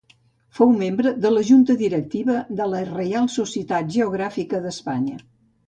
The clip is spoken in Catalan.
Fou membre de la junta directiva de la Reial Societat Geogràfica d'Espanya.